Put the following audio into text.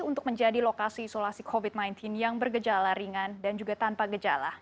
untuk menjadi lokasi isolasi covid sembilan belas yang bergejala ringan dan juga tanpa gejala